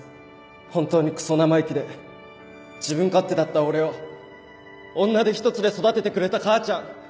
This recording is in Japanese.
本当にクソ生意気で自分勝手だった俺を女手一つで育ててくれた母ちゃん